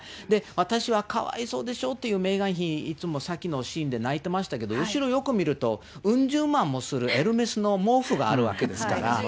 私はかわいそうでしょう？というメーガン妃、いつも、さっきのシーンで泣いてましたけど、後ろよく見ると、うん十万もするエルメスの毛布があるわけですから。